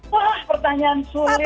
wah pertanyaan sulit